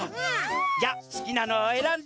じゃあすきなのをえらんで。